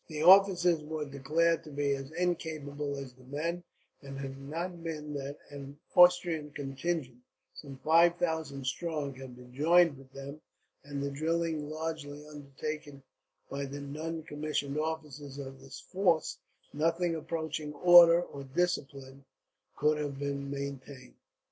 The officers were declared to be as incapable as the men, and had it not been that an Austrian contingent some five thousand strong had been joined with them, and the drilling largely undertaken by the non commissioned officers of this force, nothing approaching order or discipline could have been maintained.